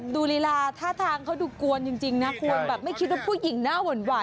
ดูลีลาท่าทางเขาดูกวนจริงนะไม่คิดว่าผู้หญิงหน้าวนว่า